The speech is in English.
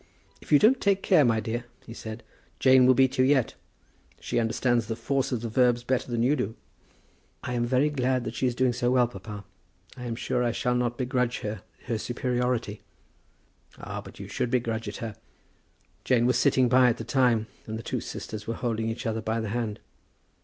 "If you don't take care, my dear," he said, "Jane will beat you yet. She understands the force of the verbs better than you do." "I am very glad that she is doing so well, papa. I am sure I shall not begrudge her her superiority." "Ah, but you should begrudge it her!" Jane was sitting by at the time, and the two sisters were holding each other by the hand.